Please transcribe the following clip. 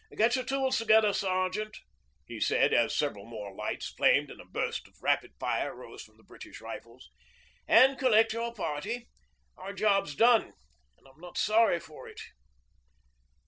'Get your tools together, sergeant,' he said, as several more lights flamed and a burst of rapid fire rose from the British rifles, 'and collect your party. Our job's done, and I'm not sorry for it.'